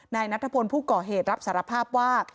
นายนัทพลผู้ก่อเหตุรับสารภาพว่า